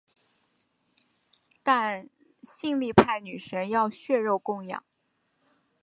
但性力派女神要血肉供养。